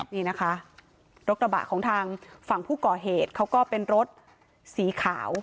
นี่นะคะรถกระบะของทางฝั่งผู้ก่อเหตุเขาก็เป็นรถสีขาว